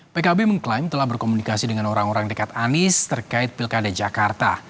pkb mengklaim telah berkomunikasi dengan orang orang dekat anies terkait pilkada jakarta